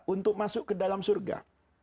untuk masuk ke dalam surga